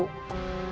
biar kamu tau